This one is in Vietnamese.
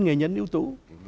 nghệ nhân ưu tú